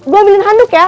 gue ambilin handuk ya